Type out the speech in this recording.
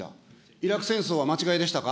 イラク戦争は間違いでしたか。